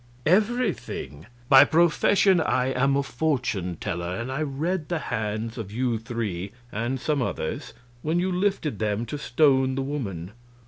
Everything. By profession I am a fortune teller, and I read the hands of you three and some others when you lifted them to stone the woman.